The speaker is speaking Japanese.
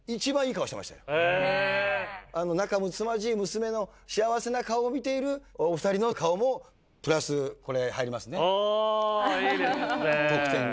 仲むつまじい娘の幸せな顔を見ているお２人の顔もプラスこれ入りますね得点が。